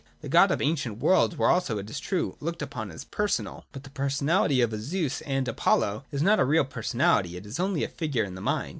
The gods of the ancient world were also, it is true, looked upon as personal ; but the personality of a Zeus and an Apollo is not a real personality : it is only a figure in the mind.